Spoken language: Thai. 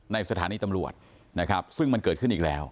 ในสถานีตำรวจนะครับซึ่งมันเกิดขึ้นอีกแล้ว